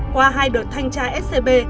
qua hai đợt thanh tra scb